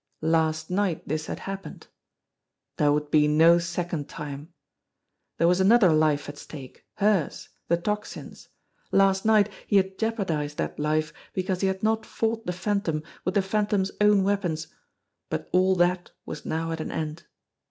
Last night this had happened. There would be no second time. There was another life at stake hers the Tocsin's. Last night he had jeopardised that life because he had not fought the Phantom with the Phantom's own weapons, but all that was now at an end.